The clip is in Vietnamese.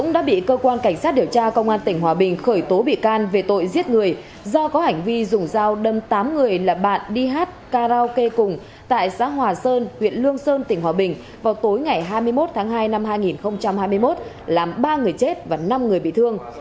đã bị cơ quan cảnh sát điều tra công an tỉnh hòa bình khởi tố bị can về tội giết người do có hành vi dùng dao đâm tám người là bạn đi hát karaoke cùng tại xã hòa sơn huyện lương sơn tỉnh hòa bình vào tối ngày hai mươi một tháng hai năm hai nghìn hai mươi một làm ba người chết và năm người bị thương